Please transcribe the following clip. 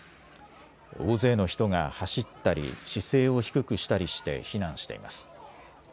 大勢の人が走ったり姿勢を低くしたりして避難しています。